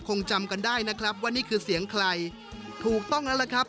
คงจำกันได้นะครับว่านี่คือเสียงใครถูกต้องแล้วล่ะครับ